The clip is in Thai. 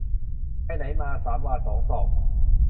ไปไหนมาสามวาสองศอก